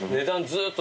ずっと？